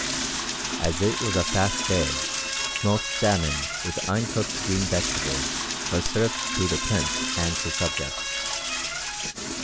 As it was a fast day, smoked salmon with uncooked green vegetables was served to the prince and his subjects.